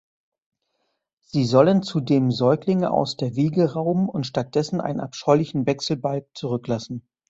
Sie sollen zudem Säuglinge aus der Wiege rauben und stattdessen einen abscheulichen Wechselbalg zurücklassen.